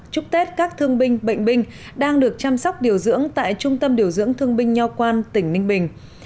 chúc tết các thương binh bệnh binh đang được chăm sóc điều dưỡng tại trung tâm điều dưỡng thương binh nho quan tỉnh ninh bình